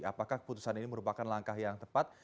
apakah keputusan ini merupakan langkah yang tepat